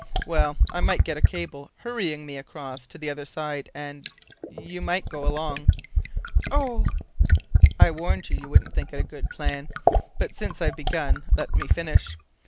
"Well, I might get a cable hurrying me across to the other side, and you might go along." "Oh!" "I warned you you wouldn't think it a good plan. But since I've begun, let me finish.